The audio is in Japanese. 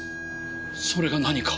それが何か？